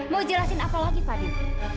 mau jelasin apa lagi fadin